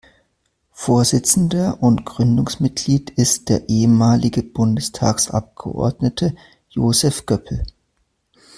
Vorsitzender und Gründungsmitglied ist der ehemalige Bundestagsabgeordnete Josef Göppel.